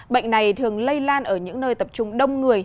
bệnh này thường lây lan ở những nơi tập trung đông người